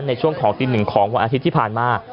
ในช่วงของตีหนึ่งของวันอาทิตย์ที่ผ่านมา